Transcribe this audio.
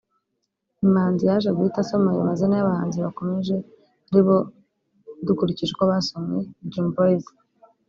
Imanzi yaje guhita asoma ayo mazina y’abahanzi bakomeje ari bo-dukurikije uko basomwe-Dream Boyz